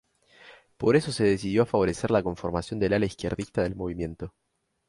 Por eso se decidió a favorecer la conformación del ala izquierdista del movimiento.